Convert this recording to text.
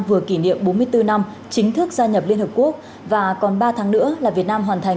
vừa kỷ niệm bốn mươi bốn năm chính thức gia nhập liên hợp quốc và còn ba tháng nữa là việt nam hoàn thành